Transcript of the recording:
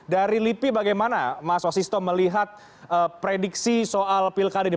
dari lipi bagaimana mas wasisto melihat prediksi soal pilkada ini